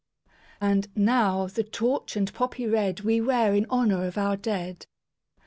And now the Torch and Poppy Red We wear in honor of our dead.